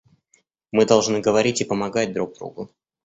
Мы должны говорить и помогать друг другу.